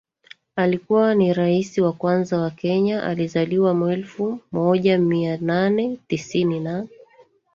alikuwa ni Rais wa kwanza wa Kenyaalizaliwa mwelfu moja mia nane tisini na